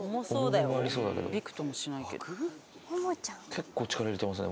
結構力入れてますね。